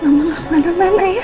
mama gak kemana mana ya